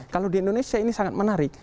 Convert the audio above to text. kalau di indonesia ini sangat menarik